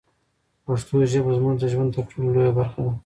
پښتو ژبه زموږ د ژوند تر ټولو لویه برخه ده.